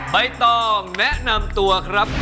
ใบตองแนะนำตัวครับ